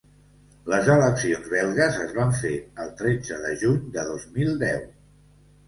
Les eleccions belgues es van fer el tretze de juny de dos mil deu.